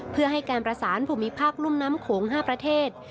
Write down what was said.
เพื่อให้การประสานภูมิภาครุ่มน้ำโขง๕ประเทศ